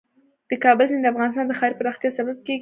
د کابل سیند د افغانستان د ښاري پراختیا سبب کېږي.